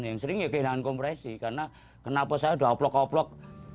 yang sering ya kehilangan kompresi karena kenapa saya udah oplok oplok